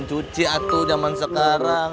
cuci atuh zaman sekarang